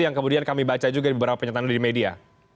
yang kemudian kami baca juga di beberapa pernyataan di media